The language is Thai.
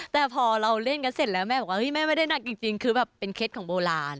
แต่พอเราเล่นกันเสร็จแล้วแม่บอกว่าแม่ไม่ได้หนักจริงคือแบบเป็นเคล็ดของโบราณ